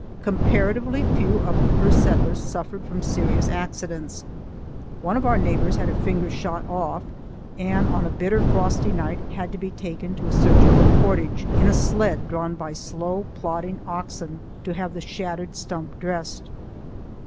Comparatively few of the first settlers suffered from serious accidents. One of our neighbors had a finger shot off, and on a bitter, frosty night had to be taken to a surgeon in Portage, in a sled drawn by slow, plodding oxen, to have the shattered stump dressed.